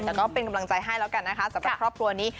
แต่ก็เป็นกำลังใจให้แล้วกันนะคะสำหรับครอบครัวนี้